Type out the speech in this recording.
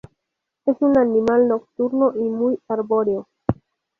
Es un animal nocturno y muy arbóreo.